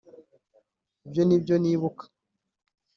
ibyo nibyo nibuka